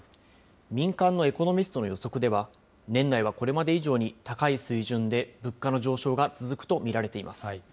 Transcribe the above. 民間のエコノミストの予測では、年内はこれまで以上に高い水準で物価の上昇が続くと見られています。